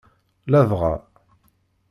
Ladɣa.